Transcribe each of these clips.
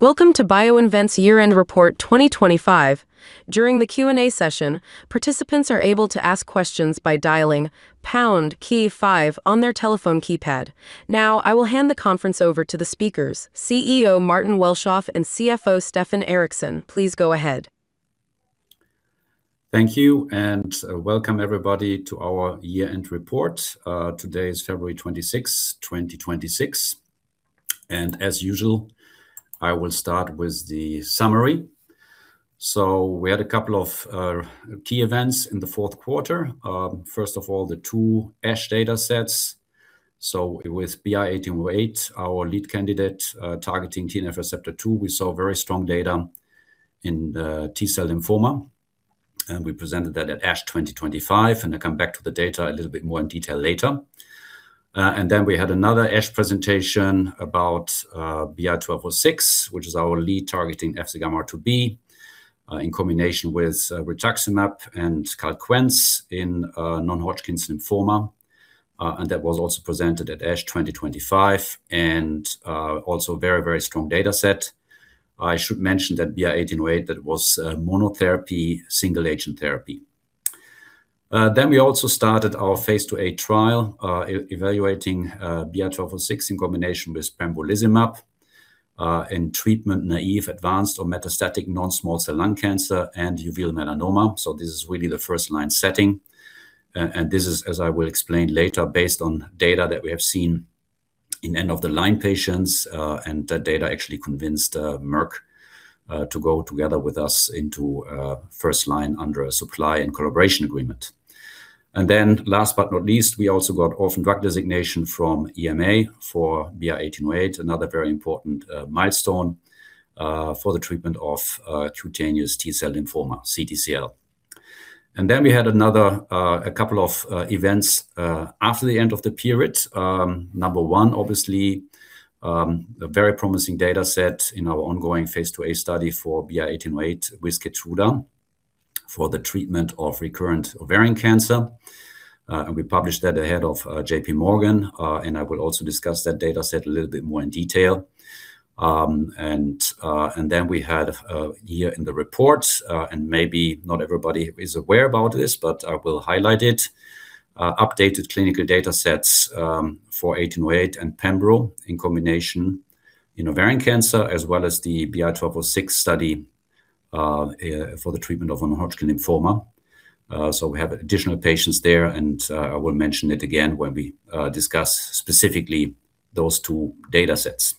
Welcome to BioInvent's year-end report 2025. During the Q&A session, participants are able to ask questions by dialing pound key five on their telephone keypad. I will hand the conference over to the speakers, CEO Martin Welschof and CFO Stefan Ericsson. Please go ahead. Thank you, and welcome everybody to our year-end report. Today is February 26, 2026, and as usual, I will start with the summary. We had a couple of key events in the Q4. First of all, the two ASH data sets. With BI-1808, our lead candidate, targeting TNF receptor two, we saw very strong data in T-cell lymphoma, and we presented that at ASH 2025, and I'll come back to the data a little bit more in detail later. We had another ASH presentation about BI-1206, which is our lead targeting FcγRIIB, in combination with rituximab and Calquence in non-Hodgkin's lymphoma. That was also presented at ASH 2025 and also very, very strong data set. I should mention that BI-1808, that was a monotherapy, single-agent therapy. We also started our phase IIa trial, evaluating BI-1206 in combination with pembrolizumab in treatment-naive, advanced or metastatic non-small cell lung cancer and uveal melanoma. This is really the first-line setting. This is, as I will explain later, based on data that we have seen in end-of-the-line patients, and that data actually convinced Merck to go together with us into first line under a supply and collaboration agreement. Last but not least, we also got orphan drug designation from EMA for BI-1808, another very important milestone for the treatment of cutaneous T-cell lymphoma, CTCL. We had a couple of events after the end of the period. number one, obviously, a very promising data set in our ongoing phase IIa study for BI-1808 with KEYTRUDA for the treatment of recurrent ovarian cancer. We published that ahead of J.P. Morgan. I will also discuss that data set a little bit more in detail. We had here in the report, and maybe not everybody is aware about this, but I will highlight it, updated clinical data sets for 1808 and pembro in combination in ovarian cancer, as well as the BI-1206 study for the treatment of non-Hodgkin's lymphoma. We have additional patients there, and I will mention it again when we discuss specifically those two data sets.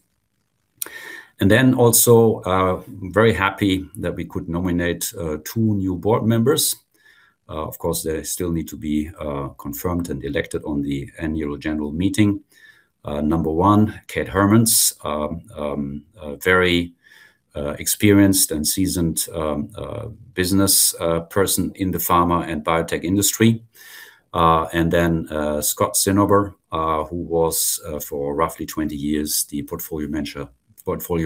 Also, very happy that we could nominate two new board members. Of course, they still need to be confirmed and elected on the annual general meeting. Number one, Kristine Hamann, a very experienced and seasoned business person in the pharma and biotech industry. Scott Zinober, who was for roughly 20 years, the portfolio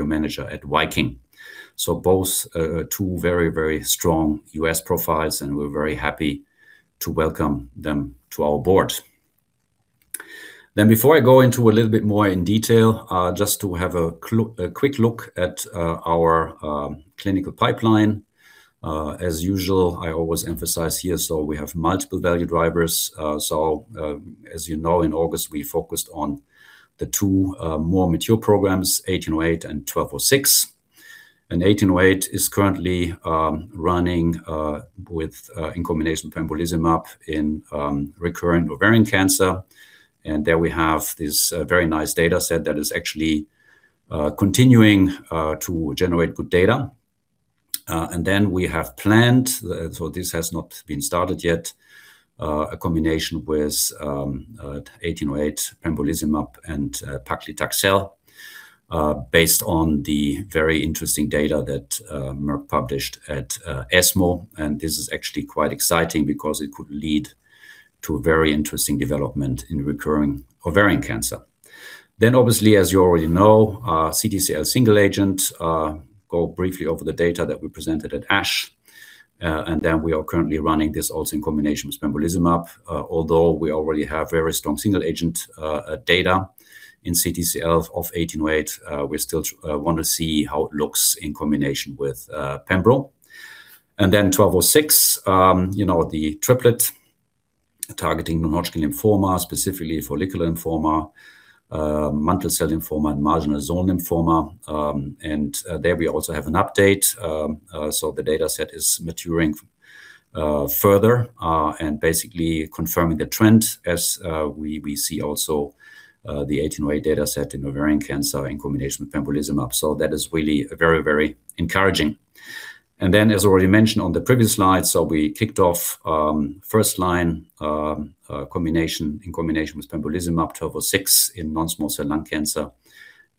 manager at Viking. Both two very, very strong U.S. profiles, and we're very happy to welcome them to our board. Before I go into a little bit more in detail, just to have a quick look at our clinical pipeline. As usual, I always emphasize here, we have multiple value drivers. As you know, in August, we focused on the two more mature programs, BI-1808 and BI-1206. BI-1808 is currently running with in combination with pembrolizumab in recurrent ovarian cancer. There we have this very nice data set that is actually continuing to generate good data. We have planned, so this has not been started yet, a combination with BI-1808 pembrolizumab and paclitaxel, based on the very interesting data that Merck published at ESMO. This is actually quite exciting because it could lead to a very interesting development in recurring ovarian cancer. Obviously, as you already know, CTCL single agent, go briefly over the data that we presented at ASH. We are currently running this also in combination with pembrolizumab. Although we already have very strong single-agent data in CTCL of BI-1808, we still want to see how it looks in combination with pembro. BI-1206, you know, the triplet targeting non-Hodgkin lymphoma, specifically follicular lymphoma, mantle cell lymphoma, and marginal zone lymphoma. There we also have an update. The data set is maturing further and basically confirming the trend as we see also the BI-1808 data set in ovarian cancer in combination with pembrolizumab. That is really very, very encouraging. As already mentioned on the previous slide, we kicked off first-line combination, in combination with pembrolizumab, BI-1206 in non-small cell lung cancer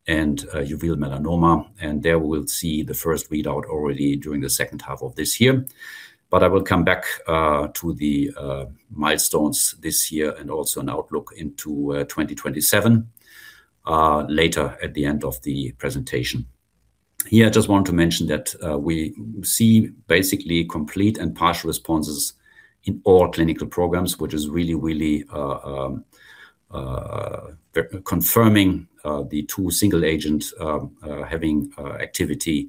and uveal melanoma, and there we will see the first readout already during the H2 of this year. But I will come back to the milestones this year and also an outlook into 2027 later at the end of the presentation. Here, I just want to mention that we see basically complete and partial responses in all clinical programs, which is really, really confirming the two single-agent having activity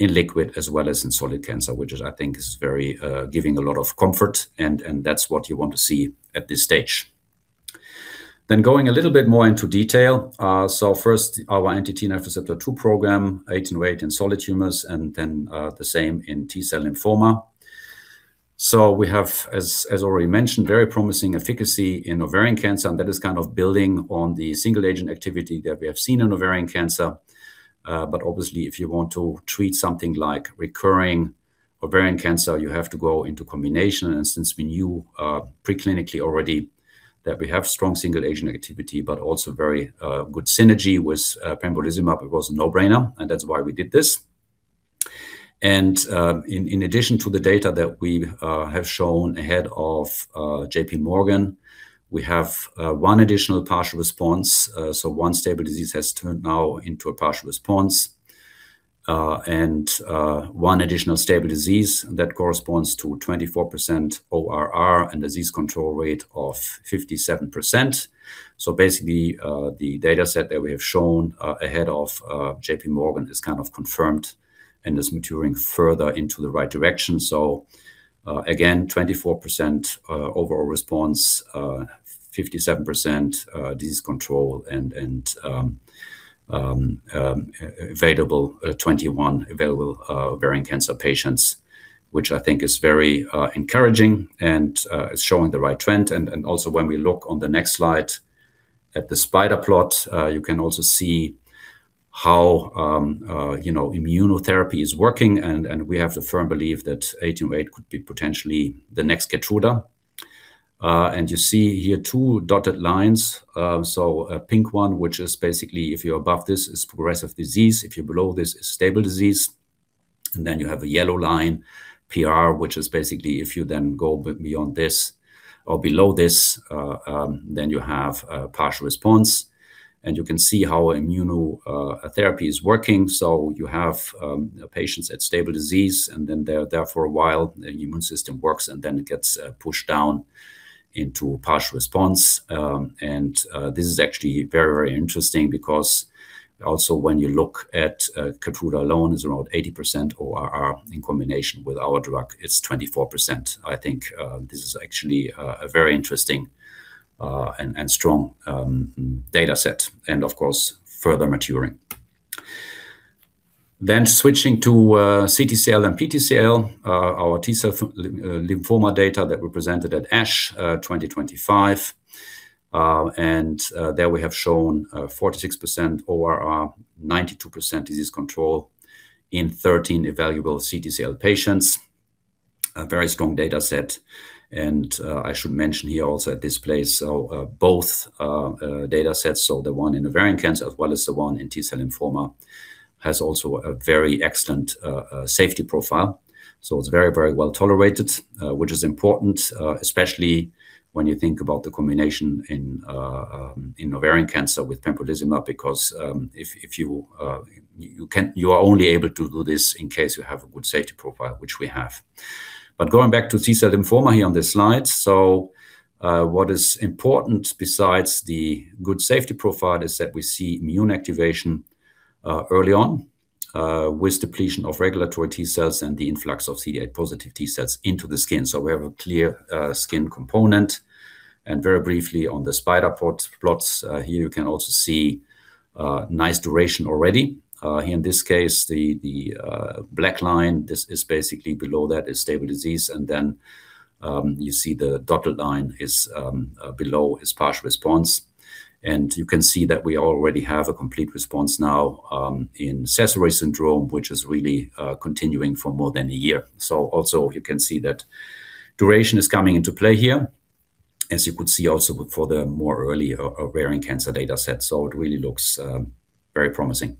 in liquid as well as in solid cancer, which is I think is very giving a lot of comfort, and that's what you want to see at this stage. Going a little bit more into detail, first, our anti-TNFR2 program, 1808 in solid tumors, and then, the same in T-cell lymphoma. We have, as already mentioned, very promising efficacy in ovarian cancer, and that is kind of building on the single-agent activity that we have seen in ovarian cancer. But obviously, if you want to treat something like recurring ovarian cancer, you have to go into combination. Since we knew, preclinically already that we have strong single-agent activity, but also very good synergy with pembrolizumab, it was a no-brainer, and that's why we did this. In addition to the data that we have shown ahead of JP Morgan, we have one additional partial response. One stable disease has turned now into a partial response, and one additional stable disease that corresponds to 24% ORR and disease control rate of 57%. Basically, the data set that we have shown ahead of JP Morgan is kind of confirmed and is maturing further into the right direction. Again, 24% overall response, 57% disease control, and 21 available ovarian cancer patients, which I think is very encouraging and is showing the right trend. Also when we look on the next slide at the spider plot, you can also see how immunotherapy is working, and we have the firm belief that BI-1808 could be potentially the next KEYTRUDA. You see here two dotted lines, so a pink one, which is basically, if you're above this, is progressive disease, if you're below this, it's stable disease. Then you have a yellow line, PR, which is basically, if you then go beyond this or below this, then you have a partial response, and you can see how immuno therapy is working. You have patients at stable disease, and then they're there for a while, the immune system works, and then it gets pushed down into partial response. This is actually very, very interesting because also when you look at KEYTRUDA alone, is around 80% ORR, in combination with our drug, it's 24%. I think this is actually a very interesting and strong data set, and of course, further maturing. Switching to CTCL and PTCL, our T-cell lymphoma data that we presented at ASH 2025. There we have shown 46% ORR, 92% disease control in 13 evaluable CTCL patients. A very strong data set, I should mention here also at this place, both data sets, the one in ovarian cancer, as well as the one in T-cell lymphoma, has also a very excellent safety profile. It's very, very well tolerated, which is important, especially when you think about the combination in ovarian cancer with pembrolizumab, because if you are only able to do this in case you have a good safety profile, which we have. Going back to T-cell lymphoma here on this slide. What is important, besides the good safety profile, is that we see immune activation early on with depletion of regulatory T-cells and the influx of CD8-positive T-cells into the skin. We have a clear skin component, and very briefly on the spider plot, plots, here you can also see nice duration already. In this case, the black line, this is basically below that, is stable disease, and then, you see the dotted line is below, is partial response. You can see that we already have a complete response now in Sézary syndrome, which is really continuing for more than a year. Also you can see that duration is coming into play here, as you could see also for the more early ovarian cancer data set. It really looks very promising.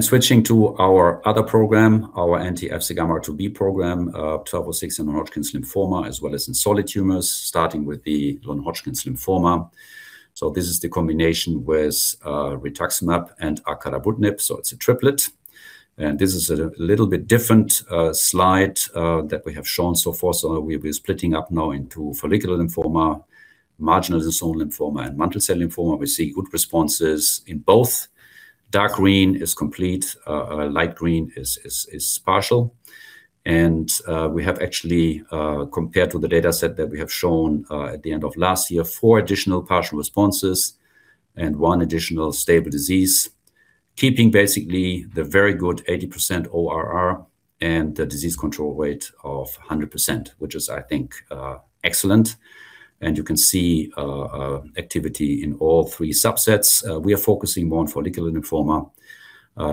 Switching to our other program, our anti-FcγRIIB program, BI-1206 in Hodgkin's lymphoma, as well as in solid tumors, starting with the non-Hodgkin's lymphoma. This is the combination with rituximab and acalabrutinib, so it's a triplet. This is a little bit different slide that we have shown so far. We'll be splitting up now into follicular lymphoma, marginal zone lymphoma, and mantle cell lymphoma. We see good responses in both. Dark green is complete, light green is partial. We have actually compared to the data set that we have shown at the end of last year, four additional partial responses and one additional stable disease, keeping basically the very good 80% ORR and the disease control rate of 100%, which is, I think, excellent. You can see activity in all three subsets. We are focusing more on follicular lymphoma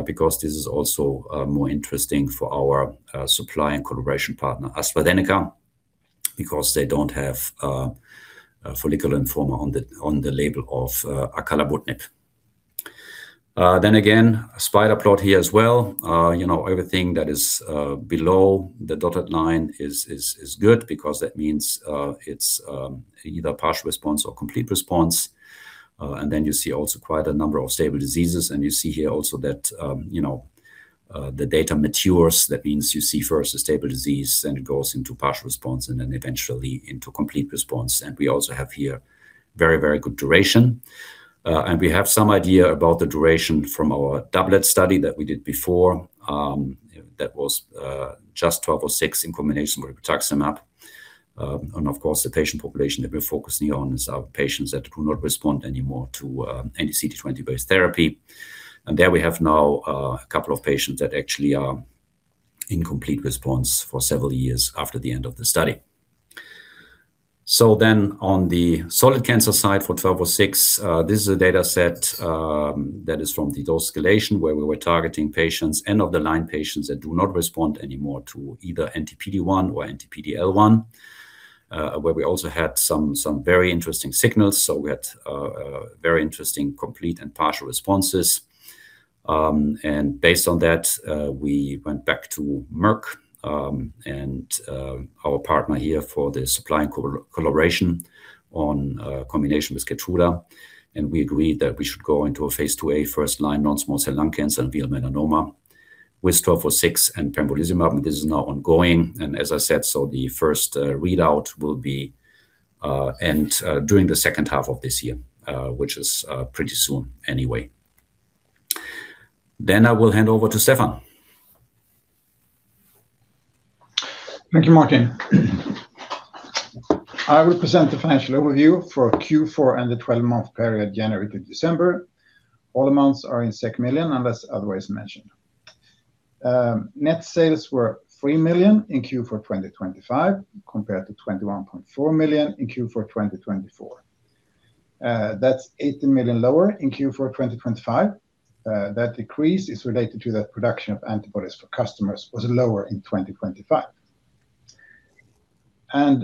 because this is also more interesting for our supply and collaboration partner, AstraZeneca, because they don't have a follicular lymphoma on the label of acalabrutinib. Again, a spider plot here as well. You know, everything that is below the dotted line is good because that means it's either partial response or complete response. You see also quite a number of stable diseases, and you see here also that, you know, the data matures. That means you see first a stable disease, then it goes into partial response, and then eventually into complete response. We also have here very, very good duration. We have some idea about the duration from our doublet study that we did before, that was just BI-1206 in combination with rituximab. Of course, the patient population that we're focusing on is our patients that do not respond anymore to any CD20-based therapy. There we have now, a couple of patients that actually are in complete response for several years after the end of the study. On the solid cancer side, for BI-1206, this is a data set, that is from the dose escalation, where we were targeting patients, end-of-the-line patients that do not respond anymore to either anti-PD-1 or anti-PD-L1, where we also had some very interesting signals. We had very interesting, complete, and partial responses. Based on that, we went back to Merck, and our partner here for the supply and collaboration on, combination with KEYTRUDA. We agreed that we should go into a phase IIa first-line non-small cell lung cancer and melanoma with BI-1206 and pembrolizumab, and this is now ongoing. As I said, the first readout will be during the H2 of this year, which is pretty soon anyway. I will hand over to Stefan. Thank you, Martin. I will present the financial overview for Q4 and the 12-month period, January to December. All amounts are in million, unless otherwise mentioned. Net sales were 3 million in Q4 2025, compared to 21.4 million in Q4 2024. That's 18 million lower in Q4 2025. That decrease is related to the production of antibodies for customers, was lower in 2025.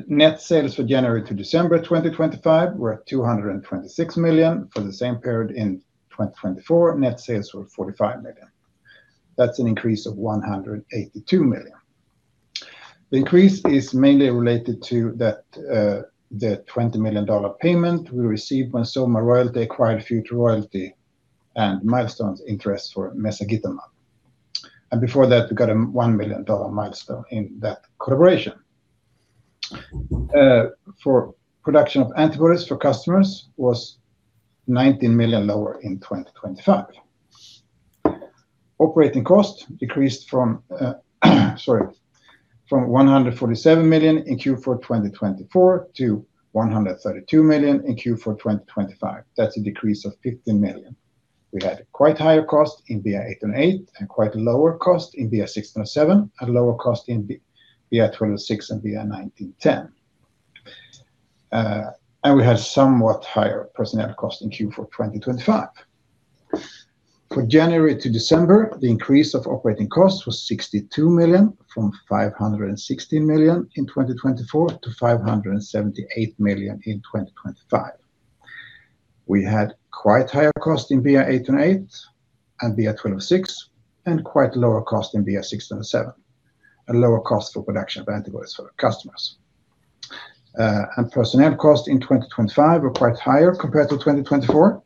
Net sales for January to December 2025 were at 226 million. For the same period in 2024, net sales were 45 million. That's an increase of 182 million. The increase is mainly related to that, the $20 million payment we received when XOMA Royalty acquired future royalty and milestones interest for mezagitamab. Before that, we got a $1 million milestone in that collaboration. For production of antibodies for customers was 19 million lower in 2025. Operating costs decreased from 147 million in Q4 2024 to 132 million in Q4 2025. That's a decrease of 15 million. We had quite higher cost in BI-1808, and quite lower cost in BI-1607, and lower cost in BI-1206 and BI-1910. We had somewhat higher personnel cost in Q4 2025. For January to December, the increase of operating costs was 62 million, from 516 million in 2024 to 578 million in 2025. We had quite higher cost in BI-1808 and BI-1206, quite lower cost in BI-1607, and lower cost for production of antibodies for customers. Personnel costs in 2025 were quite higher compared to 2024.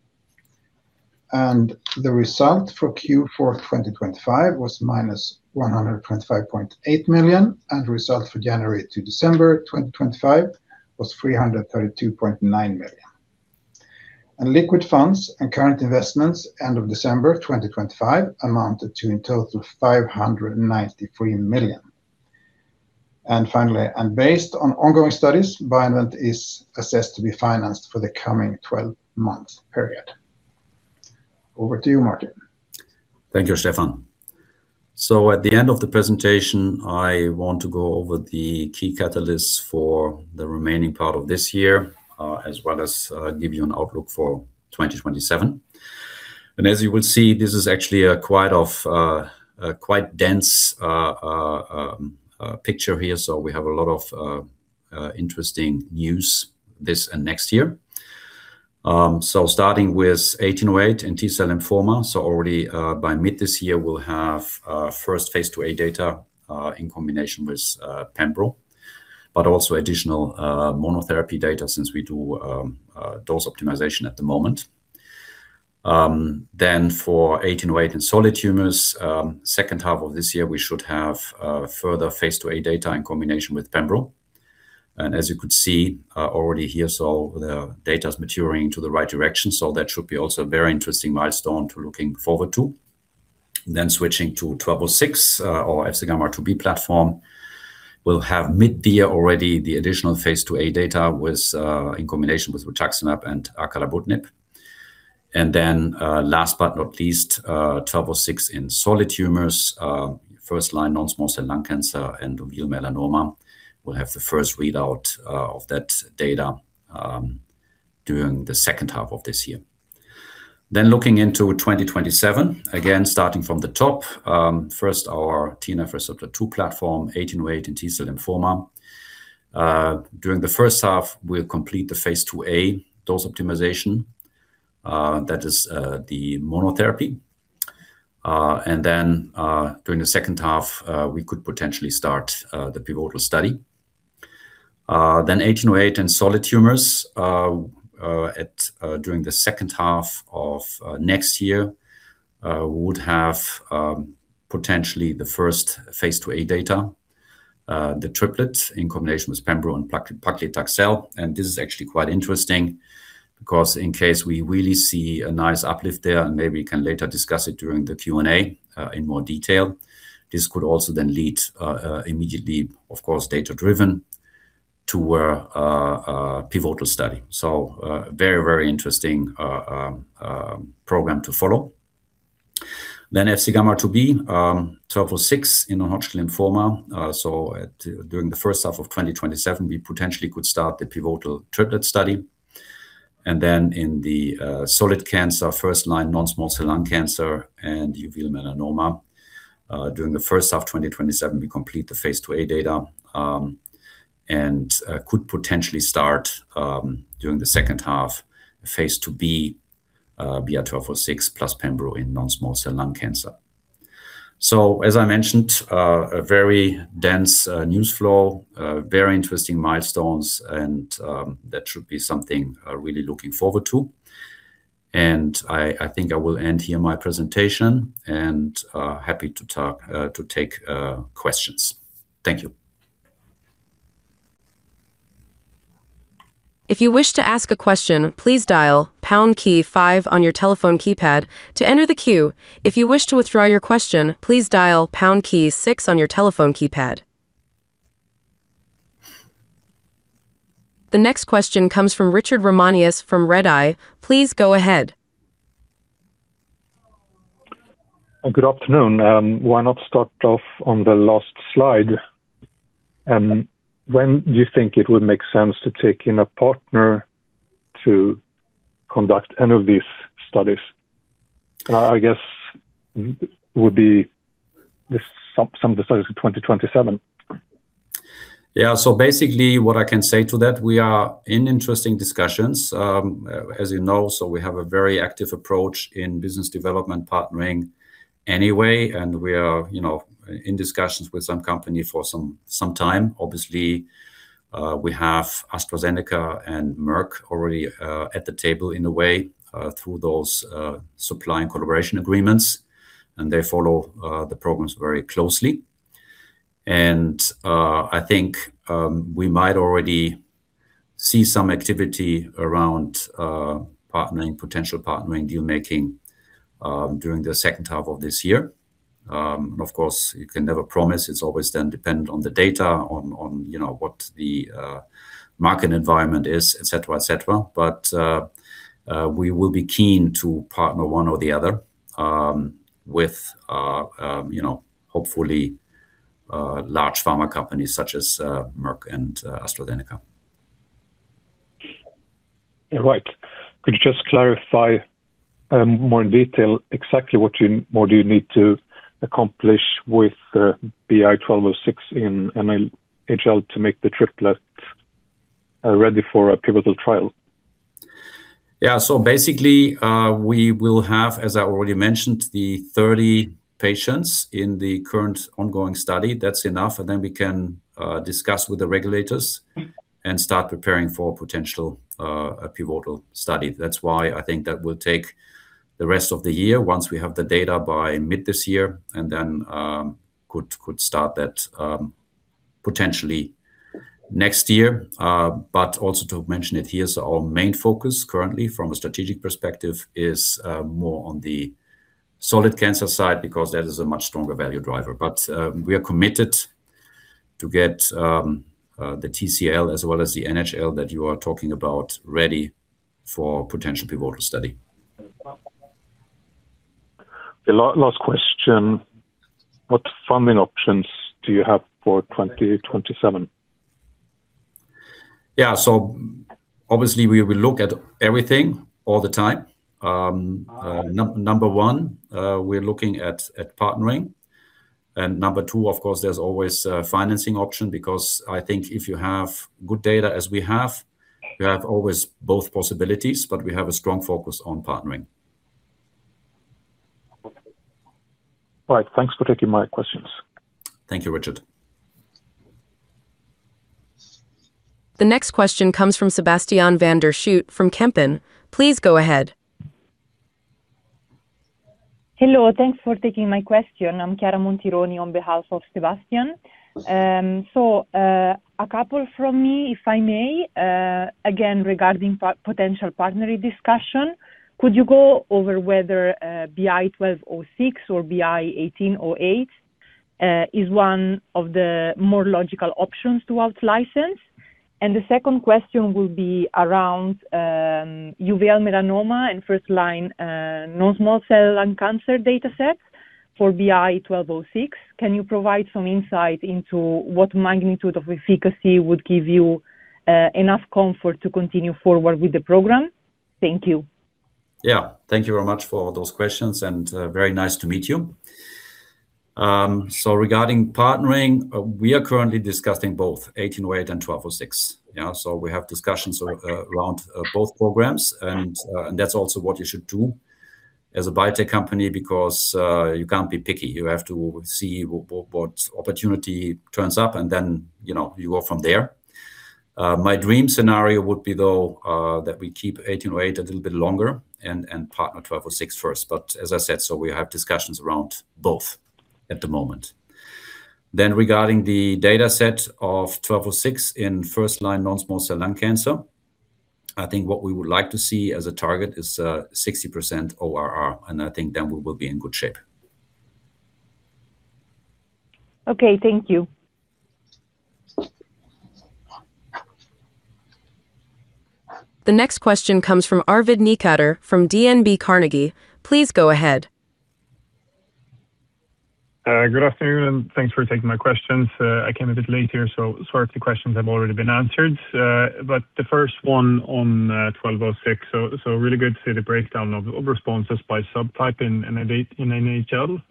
The result for Q4 2025 was -125.8 million. The result for January to December 2025 was 332.9 million. Liquid funds and current investments, end of December 2025, amounted to, in total, 593 million. Finally, based on ongoing studies, BioInvent is assessed to be financed for the coming 12-month period. Over to you, Martin. Thank you, Stefan. At the end of the presentation, I want to go over the key catalysts for the remaining part of this year, as well as give you an outlook for 2027. As you will see, this is actually a quite dense picture here. We have a lot of interesting news this and next year. Starting with BI-1808 in T-cell lymphoma, already by mid this year, we'll have first phase IIa data in combination with pembro, but also additional monotherapy data, since we do dose optimization at the moment. For BI-1808 in solid tumors, H2 of this year, we should have further phase IIa data in combination with pembro. As you could see, already here, the data is maturing to the right direction, that should be also a very interesting milestone to looking forward to. Switching to BI-1206, or FcγRIIB platform, we'll have mid-year already, the additional phase IIa data with, in combination with rituximab and acalabrutinib. Last but not least, BI-1206 in solid tumors, first-line non-small cell lung cancer and melanoma. We'll have the first readout of that data during the H2 of this year. Looking into 2027, again, starting from the top, first, our TNFR2 platform, BI-1808, in T-cell lymphoma. During the H1, we'll complete the phase IIa dose optimization, that is, the monotherapy. During the H2, we could potentially start the pivotal study. BI-1808 and solid tumors, at during the H2 of next year, would have potentially the first phase IIa data, the triplet in combination with pembro and paclitaxel. This is actually quite interesting because, in case we really see a nice uplift there, and maybe we can later discuss it during the Q&A in more detail, this could also then lead immediately, of course, data-driven, to a pivotal study. Very interesting program to follow. FcγRIIB, BI-1206 in non-Hodgkin lymphoma. At during the H1 of 2027, we potentially could start the pivotal triplet study. In the solid cancer, first-line non-small cell lung cancer and uveal melanoma, during the H1 of 2027, we complete the phase IIa data, and could potentially start during the H2, phase IIb, BI-1206 plus pembro in non-small cell lung cancer. As I mentioned, a very dense news flow, very interesting milestones, and that should be something I'm really looking forward to. I think I will end here my presentation, and happy to talk to take questions. Thank you. If you wish to ask a question, please dial pound key five on your telephone keypad to enter the queue. If you wish to withdraw your question, please dial pound key six on your telephone keypad. The next question comes from Richard Ramanius from Redeye. Please go ahead. Good afternoon. Why not start off on the last slide? When do you think it would make sense to take in a partner to conduct any of these studies? I guess, would be some of the studies in 2027. Yeah. Basically, what I can say to that, we are in interesting discussions, as you know, we have a very active approach in business development partnering anyway, and we are, you know, in discussions with some company for some time. Obviously, we have AstraZeneca and Merck already at the table in a way, through those supply and collaboration agreements, and they follow the programs very closely. I think we might already see some activity around partnering, potential partnering, deal-making during the H2 of this year. Of course, you can never promise. It's always then dependent on the data, on, you know, what the market environment is, et cetera, et cetera. We will be keen to partner one or the other, you know, hopefully, large pharma companies such as Merck and AstraZeneca. Yeah, right. Could you just clarify, more in detail exactly what more do you need to accomplish with BI-1206 in NHL to make the triplet ready for a pivotal trial? Basically, we will have, as I already mentioned, the 30 patients in the current ongoing study. That's enough, we can discuss with the regulators and start preparing for potential pivotal study. I think that will take the rest of the year. Once we have the data by mid this year, could start that potentially next year. Also, to mention it here, our main focus, currently from a strategic perspective is more on the solid cancer side because that is a much stronger value driver. We are committed to get the TCL as well as the NHL that you are talking about, ready for potential pivotal study. The last question: What funding options do you have for 2027? Yeah, obviously, we will look at everything all the time. Number one, we're looking at partnering. Number two, of course, there's always a financing option because I think if you have good data, as we have, you have always both possibilities, but we have a strong focus on partnering. Right. Thanks for taking my questions. Thank you, Richard. The next question comes from Sebastiaan van der Schoot from Kempen. Please go ahead. Hello, thanks for taking my question. I'm Chiara Montironi on behalf of Sebastian. A couple from me, if I may, again, regarding potential partnering discussion. Could you go over whether BI-1206 or BI-1808 is one of the more logical options to outlicense? The second question will be around uveal melanoma and first-line non-small cell lung cancer dataset for BI-1206. Can you provide some insight into what magnitude of efficacy would give you enough comfort to continue forward with the program? Thank you. Thank you very much for those questions, and very nice to meet you. Regarding partnering, we are currently discussing both 1808 and 1206. We have discussions around both programs, and that's also what you should do as a biotech company because you can't be picky. You have to see what opportunity turns up, and then, you know, you go from there. My dream scenario would be, though, that we keep 1808 a little bit longer and partner 1206 first. As I said, we have discussions around both at the moment. Regarding the data set of BI-1206 in first-line non-small cell lung cancer, I think what we would like to see as a target is, 60% ORR. I think then we will be in good shape. Okay. Thank you. The next question comes from Arvid Necander from DNB Carnegie. Please go ahead. Good afternoon. Thanks for taking my questions. I came a bit late here, so sorry if the questions have already been answered. The first one on BI-1206, so really good to see the breakdown of responses by subtype in NHL.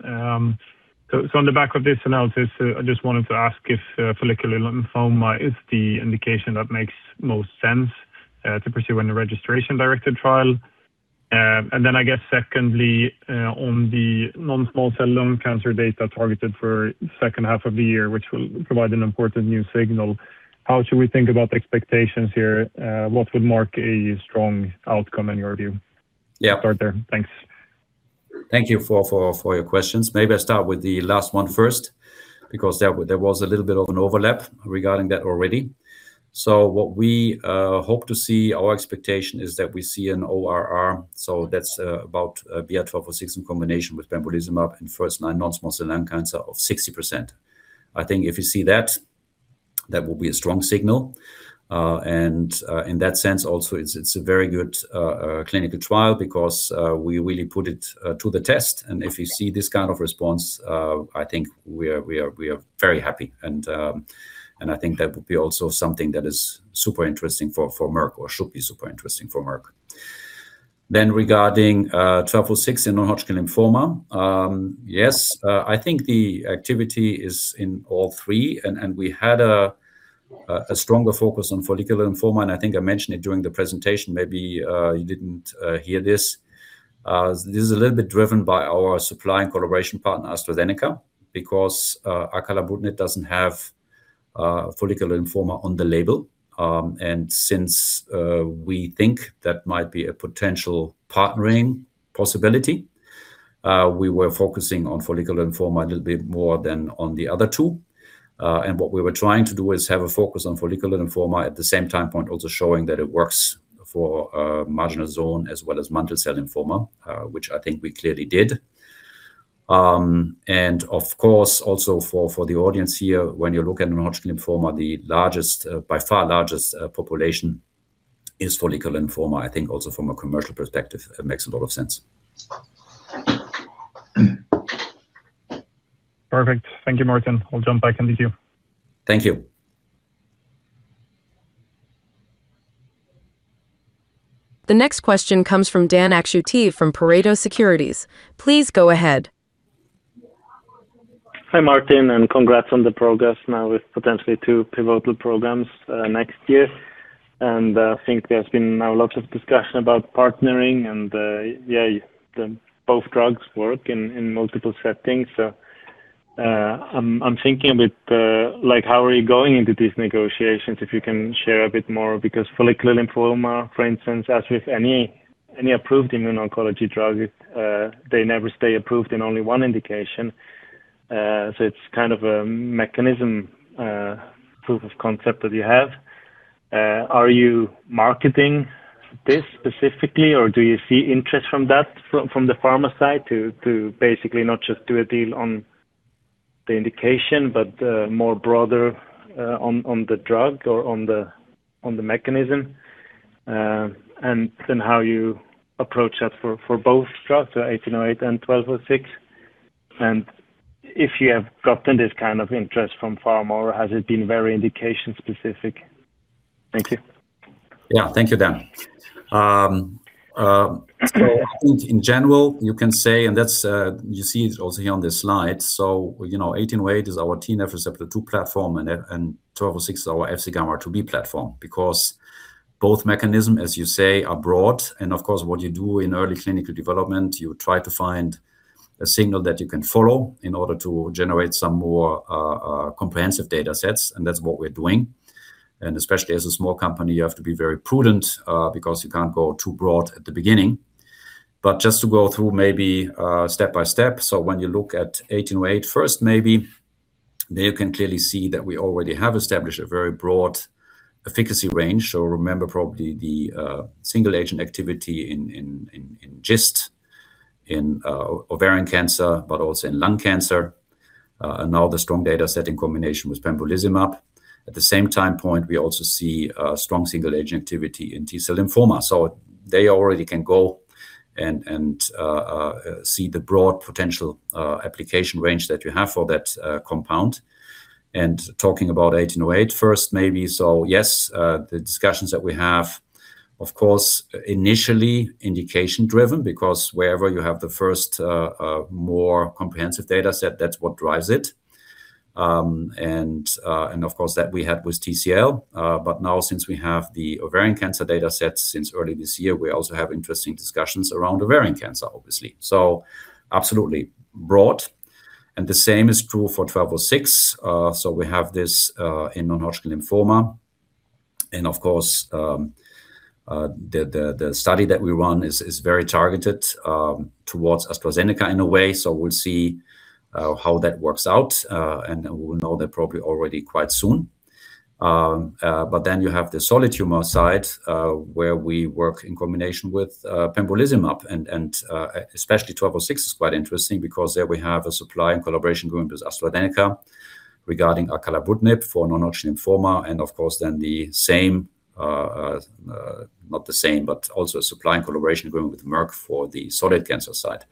On the back of this analysis, I just wanted to ask if follicular lymphoma is the indication that makes most sense to pursue in a registration-directed trial. Then I guess secondly, on the non-small cell lung cancer data targeted for H2 of the year, which will provide an important new signal, how should we think about the expectations here? What would mark a strong outcome in your view? Yeah. Start there. Thanks. Thank you for your questions. Maybe I start with the last one first because there was a little bit of an overlap regarding that already. What we hope to see, our expectation is that we see an ORR, so that's about BI-1206 in combination with pembrolizumab in first-line non-small cell lung cancer of 60%. I think if you see that will be a strong signal. In that sense, also, it's a very good clinical trial because we really put it to the test. If you see this kind of response, I think we are very happy. I think that would be also something that is super interesting for Merck or should be super interesting for Merck. Regarding BI-1206 in non-Hodgkin lymphoma, yes, I think the activity is in all three, and we had a stronger focus on follicular lymphoma, and I think I mentioned it during the presentation. Maybe you didn't hear this. This is a little bit driven by our supply and collaboration partner, AstraZeneca, because acalabrutinib doesn't have follicular lymphoma on the label. Since we think that might be a potential partnering possibility, we were focusing on follicular lymphoma a little bit more than on the other two. What we were trying to do is have a focus on follicular lymphoma, at the same time point, also showing that it works for marginal zone as well as mantle cell lymphoma, which I think we clearly did. Of course, also for the audience here, when you look at non-Hodgkin lymphoma, the largest, by far largest, population is follicular lymphoma. I think also from a commercial perspective, it makes a lot of sense. Perfect. Thank you, Martin. I'll jump back in the queue. Thank you. The next question comes from Dan Akschuti from Pareto Securities. Please go ahead. Hi, Martin, congrats on the progress now with potentially two pivotal programs next year. I think there's been now lots of discussion about partnering and, yeah, the both drugs work in multiple settings. I'm thinking a bit, like, how are you going into these negotiations, if you can share a bit more? Because follicular lymphoma, for instance, as with any approved immune oncology drug, it, they never stay approved in only one indication. So it's kind of a mechanism, proof of concept that you have. Are you marketing this specifically, or do you see interest from that, from the pharma side to basically not just do a deal on the indication, but more broader on the drug or on the mechanism? How you approach that for both drugs, so 1808 and 1206. If you have gotten this kind of interest from pharma or has it been very indication-specific? Thank you. Yeah. Thank you, Dan. I think in general, you can say, and that's, you see it also here on this slide, you know, BI-1808 is our TNFR2 platform, and BI-1206 is our FcγRIIB platform. Both mechanism, as you say, are broad, and of course, what you do in early clinical development, you try to find a signal that you can follow in order to generate some more, comprehensive data sets, and that's what we're doing. Especially as a small company, you have to be very prudent, because you can't go too broad at the beginning. Just to go through maybe, step by step, when you look at BI-1808 first, maybe there you can clearly see that we already have established a very broad efficacy range. Remember, probably the single-agent activity in GIST, in ovarian cancer, but also in lung cancer, and now the strong data set in combination with pembrolizumab. At the same time point, we also see a strong single-agent activity in T-cell lymphoma. They already can go and see the broad potential application range that you have for that compound. Talking about BI-1808 first, maybe, yes, the discussions that we have, of course, initially indication-driven, because wherever you have the first more comprehensive data set, that's what drives it. Of course, that we had with TCL. Now since we have the ovarian cancer data set since early this year, we also have interesting discussions around ovarian cancer, obviously. Absolutely broad, and the same is true for 1206. We have this in non-Hodgkin lymphoma, and of course, the study that we run is very targeted towards AstraZeneca in a way. We'll see how that works out, and we will know that probably already quite soon. You have the solid tumor side where we work in combination with pembrolizumab. Especially 1206 is quite interesting because there we have a supply and collaboration going with AstraZeneca regarding acalabrutinib for non-Hodgkin lymphoma, and of course, then the same. Not the same, but also a supply and collaboration going with Merck for the solid cancer side.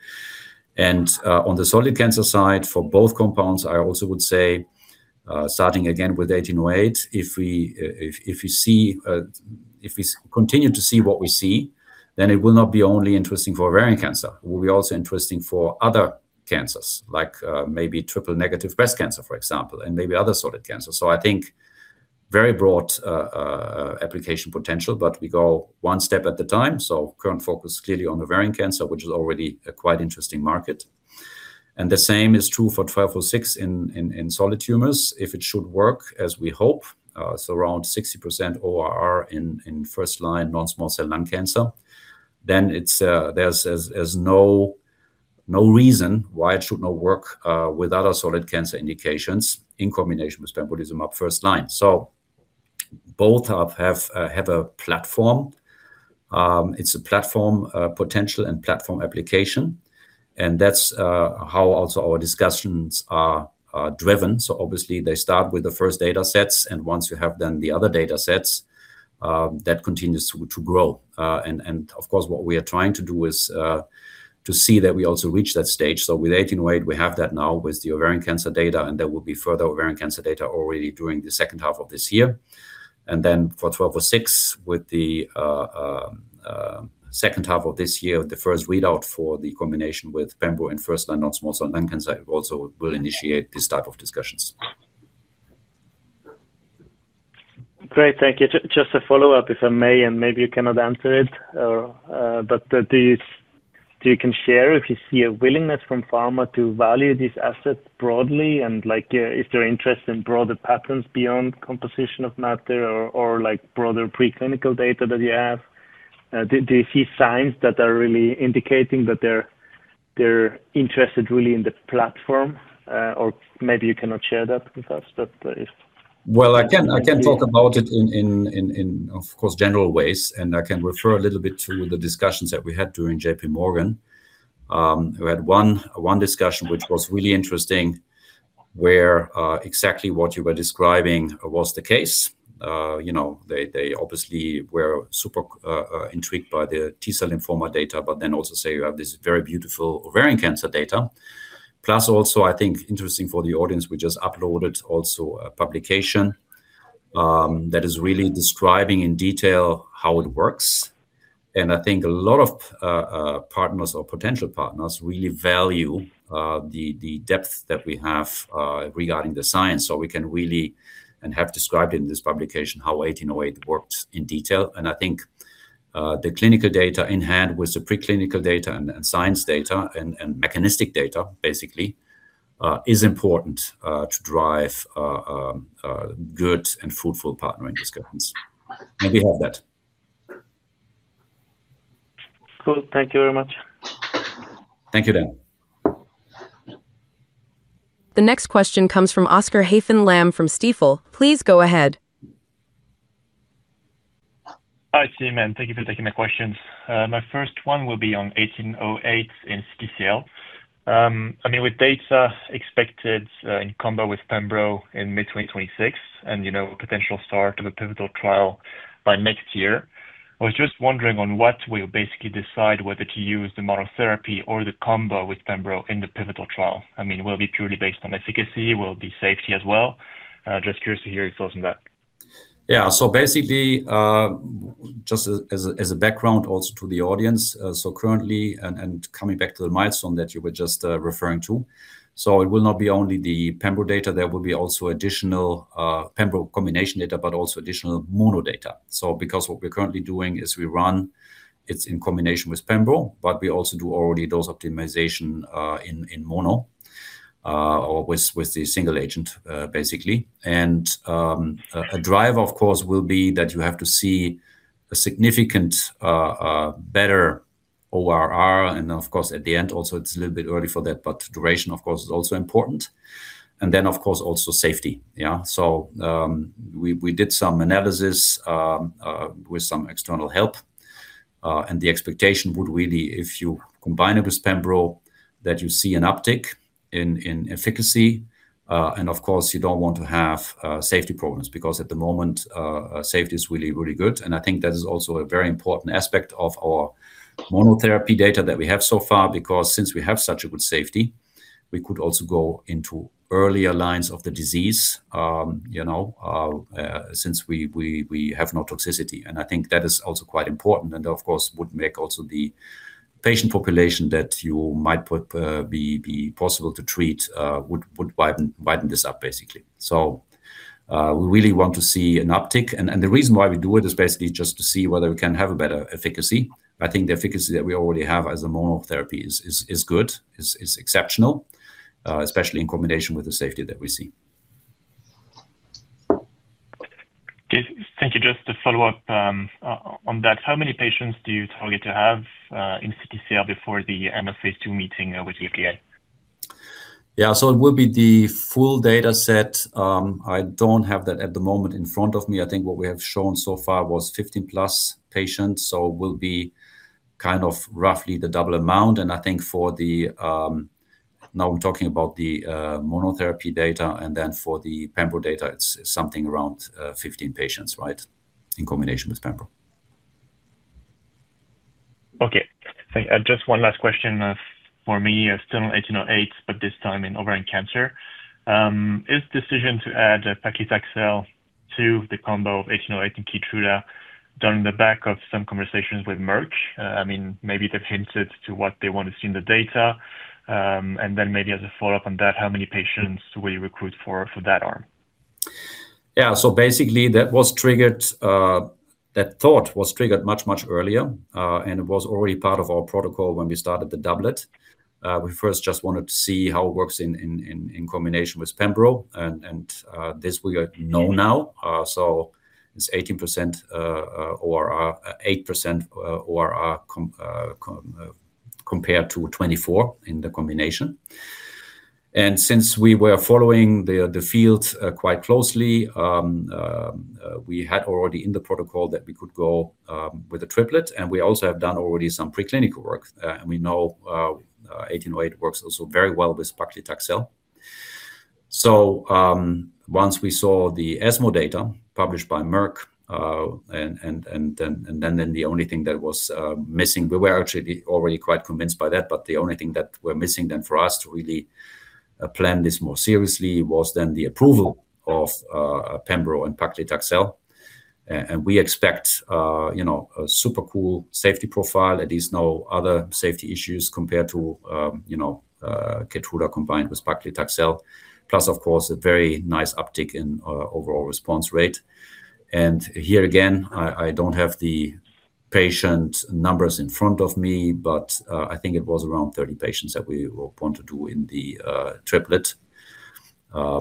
On the solid cancer side, for both compounds, I also would say, starting again with BI-1808, if we continue to see what we see, then it will not be only interesting for ovarian cancer, it will be also interesting for other cancers, like maybe triple-negative breast cancer, for example, and maybe other solid cancers. I think very broad application potential, but we go one step at a time. Current focus is clearly on ovarian cancer, which is already a quite interesting market. The same is true for BI-1206 in solid tumors. If it should work as we hope, so around 60% ORR in first-line non-small cell lung cancer, then it's there's as no reason why it should not work with other solid cancer indications in combination with pembrolizumab first line. Both have a platform. It's a platform potential and platform application, and that's how also our discussions are driven. Obviously, they start with the first data sets, and once you have done the other data sets, that continues to grow. And of course, what we are trying to do is to see that we also reach that stage. With 1808, we have that now with the ovarian cancer data, and there will be further ovarian cancer data already during the H2 of this year. For BI-1206, with the H2 of this year, the first readout for the combination with pembro in first-line non-small cell lung cancer also will initiate this type of discussions. Great, thank you. Just a follow-up, if I may, and maybe you cannot answer it, but do you can share if you see a willingness from pharma to value these assets broadly and, like, if they're interested in broader patterns beyond composition of matter or like broader preclinical data that you have? Do you see signs that are really indicating that they're interested really in the platform? Maybe you cannot share that with us, but, if-. Well, I can talk about it in of course, general ways, and I can refer a little bit to the discussions that we had during JP Morgan. We had one discussion, which was really interesting, where exactly what you were describing was the case. You know, they obviously were super intrigued by the T-cell lymphoma data, but then also say you have this very beautiful ovarian cancer data. Plus, also, I think interesting for the audience, we just uploaded also a publication, that is really describing in detail how it works. I think a lot of partners or potential partners really value the depth that we have regarding the science. We can really, and have described in this publication, how 1808 works in detail. I think, the clinical data in hand with the preclinical data and science data and mechanistic data, basically, is important, to drive, good and fruitful partnering discussions. We have that. Cool. Thank you very much. Thank you, Dan. The next question comes from Oscar Haffen Lamm from Stifel. Please go ahead. Hi, Simon. Thank you for taking my questions. My first one will be on 1808 in TCL. I mean, with data expected, in combo with pembro in mid-2026 and, you know, potential start of a pivotal trial by next year, I was just wondering on what we'll basically decide whether to use the monotherapy or the combo with pembro in the pivotal trial. I mean, will it be purely based on efficacy? Will it be safety as well? Just curious to hear your thoughts on that. Basically, just as a background also to the audience, currently, and coming back to the milestone that you were just referring to, it will not be only the pembro data. There will be also additional pembro combination data, but also additional mono data. Because what we're currently doing is we run it in combination with pembro, but we also do already dose optimization in mono, or with the single agent, basically. A driver, of course, will be that you have to see a significant better ORR, and of course, at the end, also, it's a little bit early for that, but duration, of course, is also important. Then, of course, also safety. We did some analysis with some external help. The expectation would really, if you combine it with pembro, that you see an uptick in efficacy. Of course, you don't want to have safety problems, because at the moment, safety is really good. I think that is also a very important aspect of our monotherapy data that we have so far, because since we have such a good safety, we could also go into earlier lines of the disease, you know, since we have no toxicity. I think that is also quite important and, of course, would make also the patient population who might be possible to treat would widen this up, basically. We really want to see an uptick, and the reason why we do it is basically just to see whether we can have a better efficacy. I think the efficacy that we already have as a monotherapy is good, is exceptional, especially in combination with the safety that we see. Okay, thank you. Just to follow up on that, how many patients do you target to have in CTCL before the end of phase II meeting with the FDA? Yeah, it will be the full data set. I don't have that at the moment in front of me. I think what we have shown so far was 15 plus patients, so will be kind of roughly the double amount. I think for the now I'm talking about the monotherapy data, and then for the pembro data, it's something around 15 patients, right? In combination with pembro. Okay. Thank you. Just one last question for me. It's still on BI-1808, but this time in ovarian cancer. Is decision to add paclitaxel to the combo of BI-1808 and KEYTRUDA done in the back of some conversations with Merck? I mean, maybe they've hinted to what they want to see in the data. Maybe as a follow-up on that, how many patients will you recruit for that arm? Yeah. Basically that was triggered, that thought was triggered much, much earlier, and it was already part of our protocol when we started the doublet. We first just wanted to see how it works in combination with pembrolizumab, and this we know now. It's 18% ORR, 8% ORR compared to 24 in the combination. Since we were following the field quite closely, we had already in the protocol that we could go with a triplet, and we also have done already some preclinical work, and we know BI-1808 works also very well with paclitaxel. Once we saw the ESMO data published by Merck, and then the only thing that was missing, we were actually already quite convinced by that, but the only thing that we're missing then for us to really plan this more seriously was then the approval of pembro and paclitaxel. And we expect, you know, a super cool safety profile, at least no other safety issues compared to, you know, KEYTRUDA combined with paclitaxel. Plus, of course, a very nice uptick in overall response rate. Here again, I don't have the patient numbers in front of me, but I think it was around 30 patients that we want to do in the triplet,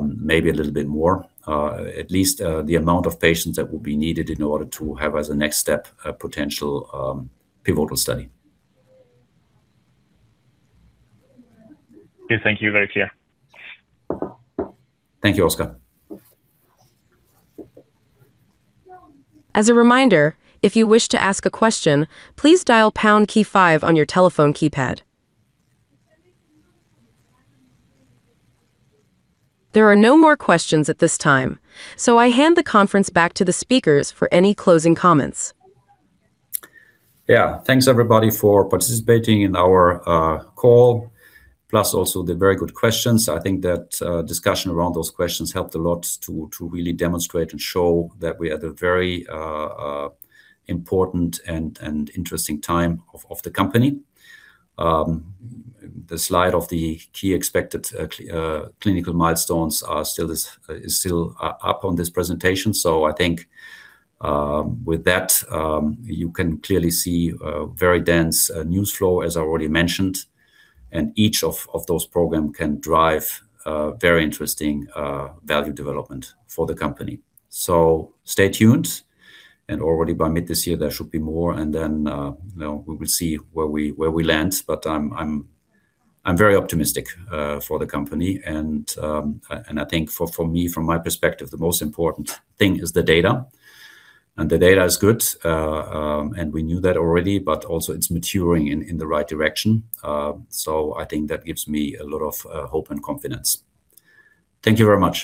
maybe a little bit more, at least, the amount of patients that will be needed in order to have, as a next step, a potential pivotal study. Okay, thank you. Very clear. Thank you, Oscar. As a reminder, if you wish to ask a question, please dial pound key five on your telephone keypad. There are no more questions at this time. I hand the conference back to the speakers for any closing comments. Yeah. Thanks, everybody, for participating in our call, plus also the very good questions. I think that discussion around those questions helped a lot to really demonstrate and show that we are at a very important and interesting time of the company. The slide of the key expected clinical milestones is still up on this presentation. I think with that, you can clearly see a very dense news flow, as I already mentioned, and each of those program can drive a very interesting value development for the company. Stay tuned, and already by mid this year, there should be more, and then, you know, we will see where we land. I'm very optimistic for the company, and I think for me, from my perspective, the most important thing is the data, and the data is good, and we knew that already, also it's maturing in the right direction. I think that gives me a lot of hope and confidence. Thank you very much.